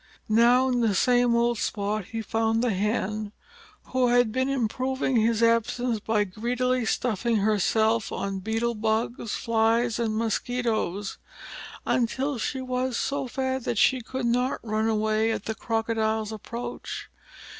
Now in the same old spot he found the Hen, who had been improving his absence by greedily stuffing herself on beetle bugs, flies, and mosquitoes until she was so fat that she could not run away at the Crocodile's approach.